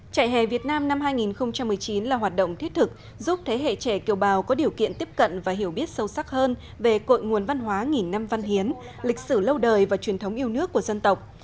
trại hè việt nam năm hai nghìn một mươi chín là hoạt động thiết thực giúp thế hệ trẻ kiều bào có điều kiện tiếp cận và hiểu biết sâu sắc hơn về cội nguồn văn hóa nghìn năm văn hiến lịch sử lâu đời và truyền thống yêu nước của dân tộc